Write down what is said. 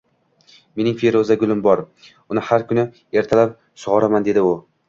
— Mening feruza gulim bor, uni har kuni ertalab sug‘oraman, — dedi u.